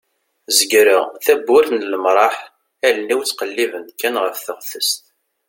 zegreɣ tawwurt n lemraḥ allen-iw ttqellibent kan ɣef teɣtest